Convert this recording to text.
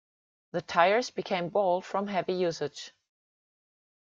The tires became bald from heavy usage.